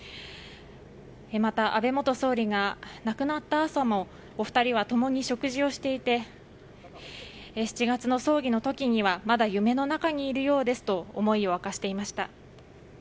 また、安倍元総理が亡くなった朝もお二人は共に食事をしていて７月の葬儀の時にはまだ夢の中にいるようですと思いを明かしていました。